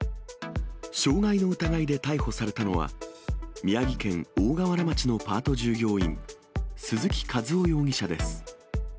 傷害の疑いで逮捕されたのは、宮城県大河原町のパート従業員、鈴木一雄容疑者です。